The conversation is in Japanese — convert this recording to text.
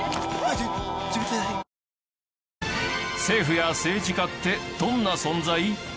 政府や政治家ってどんな存在？